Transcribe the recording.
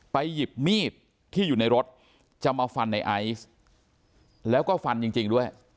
หยิบมีดที่อยู่ในรถจะมาฟันในไอซ์แล้วก็ฟันจริงด้วย